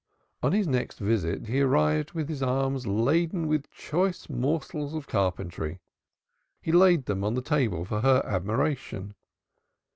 On his next visit he arrived with his arms laden with choice morsels of carpentry. He laid them on the table for her admiration.